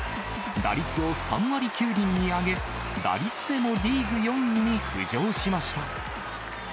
打率を３割９厘に上げ、打率でもリーグ４位に浮上しました。